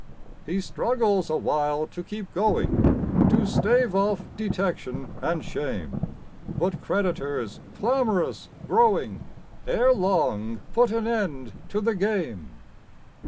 He struggles awhile to keep going, To stave off detection and shame; But creditors, clamorous growing, Ere long put an end to the game.